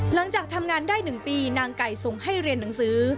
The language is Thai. หลังจากทำงานได้๑ปีนางไก่ส่งให้เรียนหนังสือ